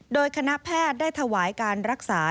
โดยคณะแพทย์ได้ถวายการรักษา